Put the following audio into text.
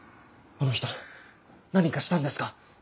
あの人何かしたんですか？